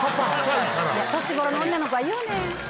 年頃の女の子は言うねん。